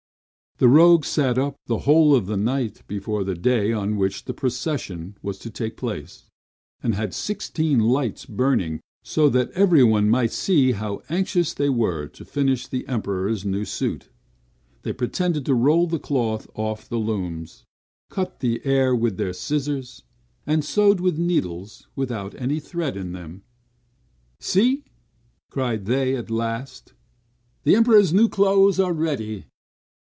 The rogues sat up the whole of the night before the day on which the procession was to take place, and had sixteen lights burning, so that everyone might see how anxious they were to finish the Emperor's new suit. They pretended to roll the cloth off the looms; cut the air with their scissors; and sewed with needles without any thread in them. "See!" cried they, at last. "The Emperor's new clothes are ready!"